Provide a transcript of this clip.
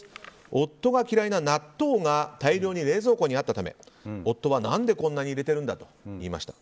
夫が嫌いな納豆が大量に冷蔵庫にあったため夫は何でこんなに入れてるんだと言いました。